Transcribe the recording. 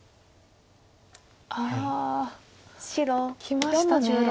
ああきましたね。